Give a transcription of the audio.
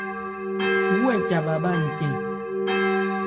Wú hɛ ca bha bhá ncɛ́n ?